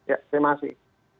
ya terima kasih